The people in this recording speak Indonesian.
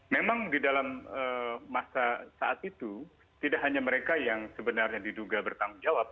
memang di dalam masa saat itu tidak hanya mereka yang sebenarnya diduga bertanggung jawab